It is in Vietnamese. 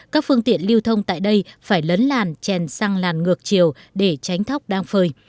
các phương tiện lưu thông tại đây phải lấn làn chèn sang làn ngược chiều để tránh thóc đang phơi